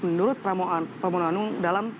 menurut pramononong dalam